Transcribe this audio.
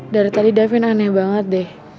dari tadi davin aneh banget deh